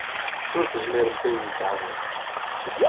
Ur tezmiremt ad iyi-tɛawnemt.